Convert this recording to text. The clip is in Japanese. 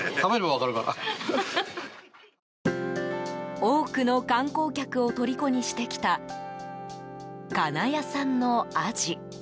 多くの観光客をとりこにしてきた金谷産のアジ。